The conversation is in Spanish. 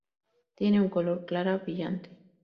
Tiene un color clara brillante.